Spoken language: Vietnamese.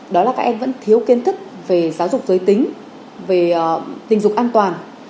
đó là các em vẫn thiếu kiến thức về giáo dục giới tính về tình dục an toàn